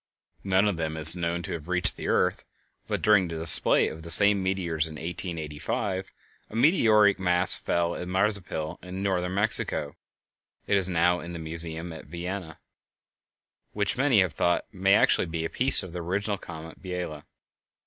None of them is known to have reached the earth, but during the display of the same meteors in 1885 a meteoric mass fell at Mazapil in Northern Mexico (it is now in the Museum at Vienna), which many have thought may actually be a piece of the original comet of Biela.